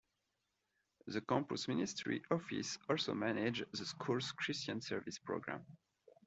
The Campus Ministry office also manages the school's Christian Service program.